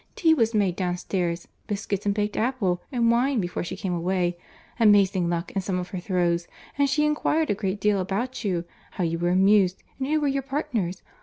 —Tea was made downstairs, biscuits and baked apples and wine before she came away: amazing luck in some of her throws: and she inquired a great deal about you, how you were amused, and who were your partners.